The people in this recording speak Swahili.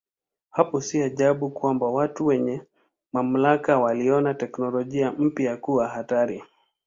Hapo si ajabu kwamba watu wenye mamlaka waliona teknolojia mpya kuwa hatari.